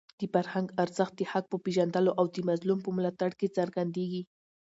د فرهنګ ارزښت د حق په پېژندلو او د مظلوم په ملاتړ کې څرګندېږي.